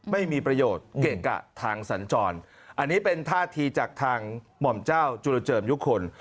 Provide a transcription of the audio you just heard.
ไม่มีประโยชน์เกะกะทางสัญจรอันนี้เป็นท่าทีจากทางหม่อมเจ้าจุลเจิมยุคล